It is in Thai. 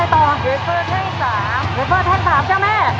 เยลเฟิร์ดแท่ง๓จ๊ะแม่